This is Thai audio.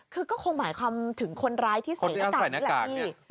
คือก็คงหมายความถึงคนร้ายที่ใส่หน้ากากนี่แหละพี่